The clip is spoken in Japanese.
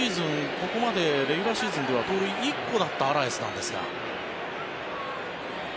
ここまでレギュラーシーズンでは盗塁、１個だったアラエスなんですが。